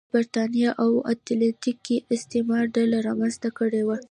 په برېتانیا او اتلانتیک کې استعمار ډله رامنځته کړې وه.